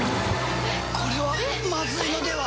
これはまずいのでは。